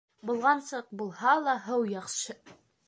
Болғансыҡ булһа ла һыу яҡшы.